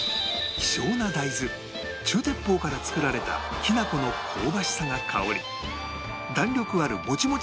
希少な大豆中鉄砲から作られたきなこの香ばしさが香り弾力あるもちもち